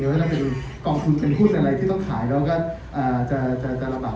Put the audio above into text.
เพราะถ้าเป็นกองทุนเป็นหุ้นอะไรที่ต้องขายแล้วก็อ่าจะจะจะระบาดมาก